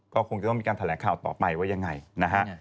ก็คงจะต้องมีการแถลงข่าวต่อไปว่ายังไงนะฮะ